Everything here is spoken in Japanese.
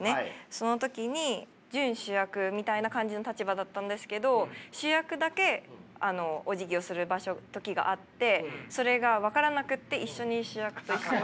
その時に準主役みたいな感じの立場だったんですけど主役だけおじぎをする時があってそれが分からなくて一緒に主役と一緒に。